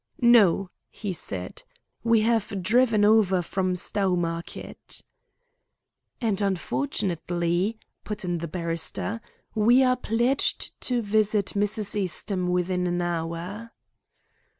"No," he said. "We have driven over from Stowmarket." "And, unfortunately," put in the barrister, "we are pledged to visit Mrs. Eastham within an hour."